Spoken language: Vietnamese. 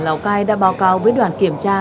lào cai đã báo cáo với đoàn kiểm tra